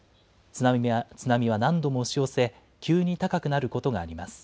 津浪は何度も押し寄せ、急に高くなることがあります。